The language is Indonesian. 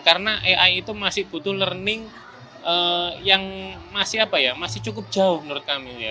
karena ai itu masih butuh learning yang masih apa ya masih cukup jauh menurut kami